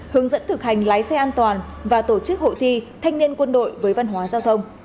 hướng dẫn thực hành lái xe an toàn và tổ chức hội thi thanh niên quân đội với văn hóa giao thông